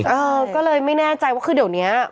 เออก็เลยไม่แน่ใจว่าคือเดี๋ยวนี้